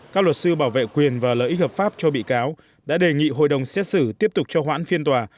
các luật sư bảo vệ quyền và lợi ích hợp pháp cho bị cáo đã đề nghị hội đồng xét xử tiếp tục cho hoãn phiên tòa